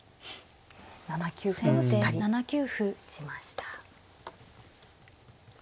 ７九歩としっかり打ちました。